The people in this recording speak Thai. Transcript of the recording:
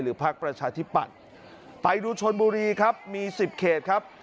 พักประชาธิปัตย์ไปดูชนบุรีครับมี๑๐เขตครับ